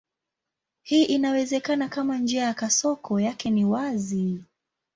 Hii inawezekana kama njia ya kasoko yake ni wazi.